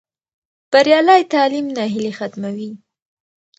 بریالی تعلیم ناهیلي ختموي.